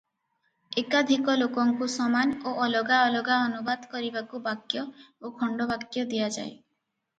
ଏକାଧିକ ଲୋକଙ୍କୁ ସମାନ ଓ ଅଲଗା ଅଲଗା ଅନୁବାଦ କରିବାକୁ ବାକ୍ୟ ଓ ଖଣ୍ଡବାକ୍ୟ ଦିଆଯାଏ ।